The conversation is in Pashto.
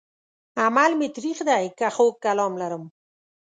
عمل مې تريخ دی که خوږ کلام لرم